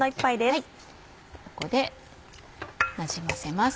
ここでなじませます。